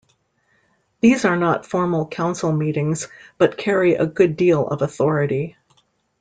These are not formal council meetings, but carry a good deal of authority.